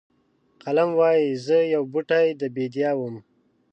قلم وایي زه یو بوټی د بیدیا وم.